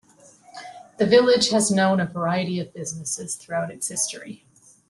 The village has known a variety of businesses throughout its history.